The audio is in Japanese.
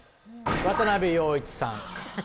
渡部陽一さん